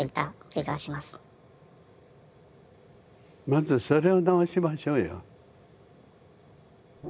まずそれを直しましょうよ。